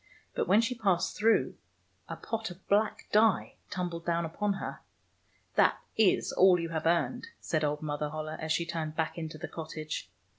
But when she passed through, a pot of black dye tumbled down upon her. " That is all you have earned," said old Mother Holle, as she turned back into the cottage.